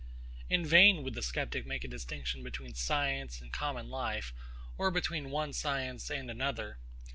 In vain would the sceptic make a distinction between science and common life, or between one science and another.